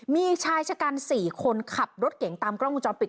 มีชายชะกัน๔คนขับรถเก่งตามกล้องวงจรปิด